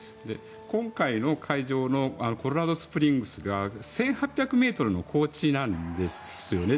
今回の会場のコロラドスプリングズが１８００ｍの高地なんですよ。